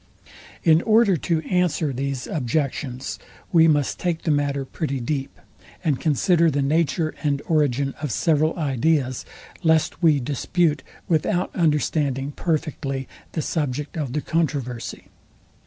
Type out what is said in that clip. In order to answer these objections, we must take the matter pretty deep, and consider the nature and origin of several ideas, lest we dispute without understanding perfectly the subject of the controversy.